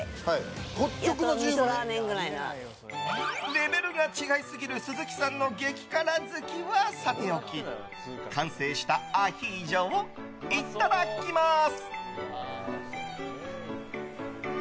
レベルが違いすぎる鈴木さんの激辛好きはさておき完成したアヒージョをいただきます。